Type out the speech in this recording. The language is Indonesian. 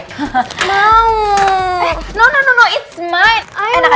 serius yakin lo kenapa lo gak percaya sama gue